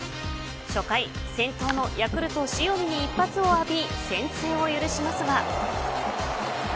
初回、先頭のヤクルト塩見に一発を浴び先制を許しますが。